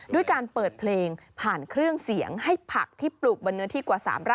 ด้วยการเปิดเพลงผ่านเครื่องเสียงให้ผักที่ปลูกบนเนื้อที่กว่า๓๐๐ไร่